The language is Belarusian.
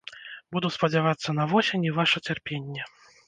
Буду спадзявацца на восень і ваша цярпенне.